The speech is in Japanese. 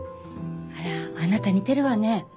あらあなた似てるわねぇ。